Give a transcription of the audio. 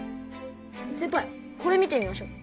せんぱいこれ見てみましょう。